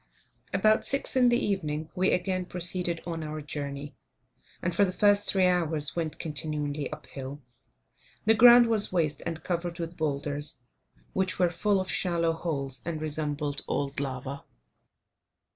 About 6 in the evening we again proceeded on our journey, and for the first three hours went continually up hill. The ground was waste and covered with boulders, which were full of shallow holes, and resembled old lava.